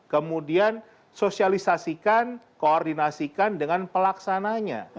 kemudian sosialisasikan koordinasikan dengan pelaksananya